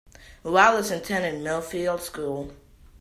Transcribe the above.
Wallace attended Millfield School.